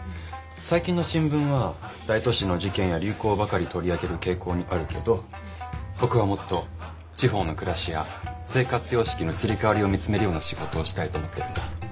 最近の新聞は大都市の事件や流行ばかり取り上げる傾向にあるけど僕はもっと地方の暮らしや生活様式の移り変わりを見つめるような仕事をしたいと思ってるんだ。